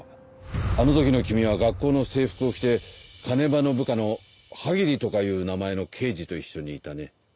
あの時の君は学校の制服を着て鐘場の部下の葉桐とかいう名前の刑事と一緒にいたね。